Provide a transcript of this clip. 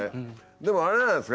でもあれじゃないですか。